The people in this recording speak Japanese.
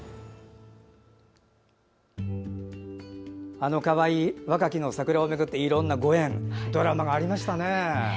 あのワカキノサクラを巡っていろんなご縁ドラマがありましたね。